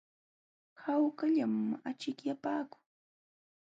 Hawkallam achikyapaakuu.